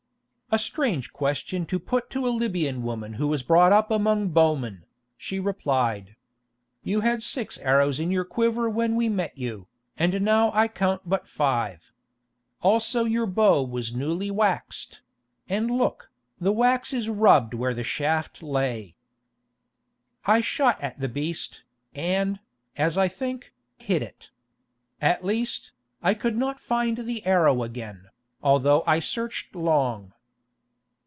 "A strange question to put to a Libyan woman who was brought up among bowmen," she replied. "You had six arrows in your quiver when we met you, and now I count but five. Also your bow was newly waxed; and look, the wax is rubbed where the shaft lay." "I shot at the beast, and, as I think, hit it. At least, I could not find the arrow again, although I searched long."